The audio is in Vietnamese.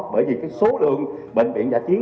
bởi vì số lượng bệnh viện giải chiến